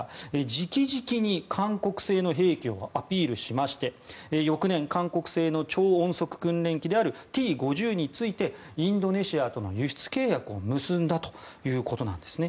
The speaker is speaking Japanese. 直々に韓国製の兵器をアピールしまして翌年、韓国製の超音速訓練機であるＴ５０についてインドネシアとの輸出契約を結んだということなんですね。